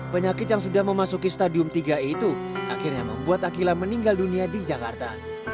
penyakit yang sudah memasuki stadium tiga itu akhirnya membuat akila meninggal dunia di jakarta